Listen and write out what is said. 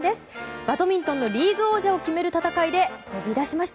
バドミントンのリーグ王者を決める戦いで飛び出しました。